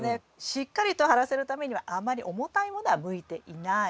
しっかりと張らせるためにはあまり重たいものは向いていない。